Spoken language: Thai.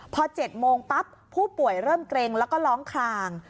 พอ๗โมงปั๊บผู้ป่วยเริ่มเกร็งแล้วก็ร้องคลาง